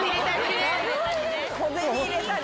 小銭入れたり。